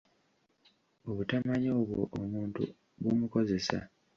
Obutamanya obwo omuntu bumukozesa.